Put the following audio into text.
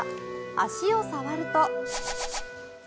足を触ると。